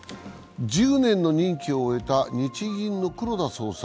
１０年の任期を終えた日銀の黒田総裁。